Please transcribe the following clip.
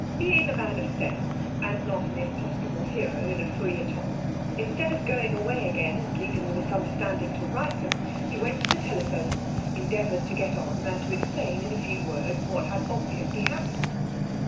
Being a man of sense, and not an impossible hero in a feuilleton, instead of going away again and leaving the misunderstanding to ripen, he went to the telephone, endeavoured to get on, and to explain, in few words, what had obviously happened.